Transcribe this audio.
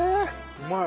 うまい。